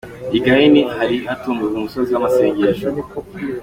I Gahini ahari gutungwa umusozi w'amasengesho.